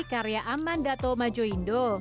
karya aman dato majoindo